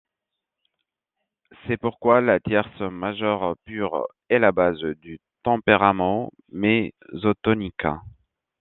C'est pourquoi la tierce majeure pure est la base du tempérament mésotonique.